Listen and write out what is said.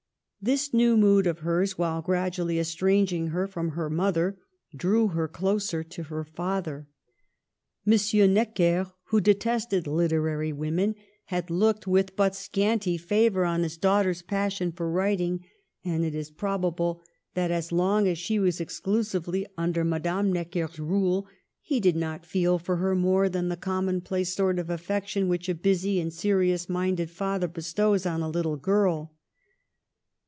This new mood of hers, while gradually estranging her from her mother, drew her closer to her father. Digitized by VjOOQIC 24 MADAME DE STA&L. M. Necker, who detested literary women, had looked with but scanty favor on his daughter's passion for writing, and it is probable that, as long as she was exclusively under Madame Neck er's rule, he did not feel for her more than the commonplace sort of affection which a busy and serious minded father bestows on a little girl.